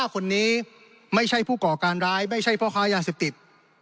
คนนี้ไม่ใช่ผู้ก่อการร้ายไม่ใช่พ่อค้ายาเสพติด